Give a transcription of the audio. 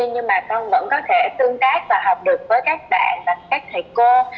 nhưng mà con vẫn có thể tương tác và học được với các bạn và các thầy cô